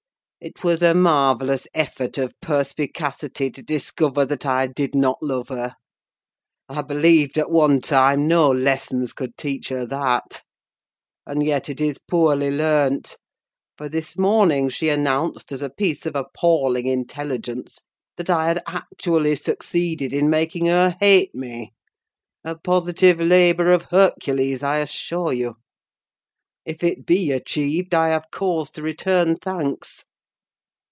It was a marvellous effort of perspicacity to discover that I did not love her. I believed, at one time, no lessons could teach her that! And yet it is poorly learnt; for this morning she announced, as a piece of appalling intelligence, that I had actually succeeded in making her hate me! A positive labour of Hercules, I assure you! If it be achieved, I have cause to return thanks.